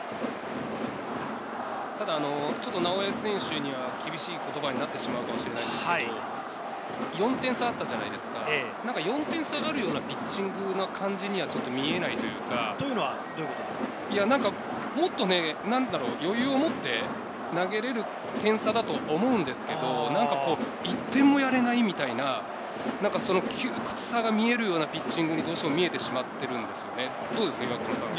ただちょっと直江選手には厳しい言葉になってしまうかもしれないんですけど、４点差あったじゃないですか、４点差があるようなピッチングの感じにはちょっと見えないというか、なんかもっと余裕を持って投げれる点差だと思うんですけど、何か１点もやれないような窮屈さが見えるようなピッチングに見えてしまっているんですよね。